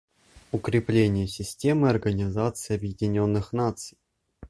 Укрепление системы Организации Объединенных Наций.